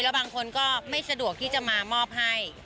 แล้วบางคนก็ไม่สะดวกที่จะมามอบให้